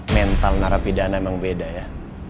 mental narapidana emang beda ya